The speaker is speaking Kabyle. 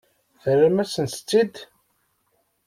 Terram-asent-tt-id?